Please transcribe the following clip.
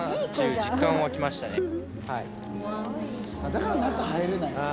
だから中へ入れないのか。